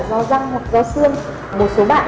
do răng hoặc do xương một số bạn